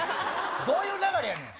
どういう流れやねん。